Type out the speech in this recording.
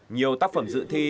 nhiều tác phẩm dự thi